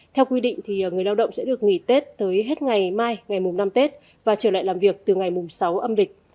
theo quy định thì người lao động sẽ được nghỉ tết tới hết ngày mai ngày mùng năm tết và trở lại làm việc từ ngày mùng sáu âm lịch